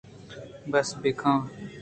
بس بہ کن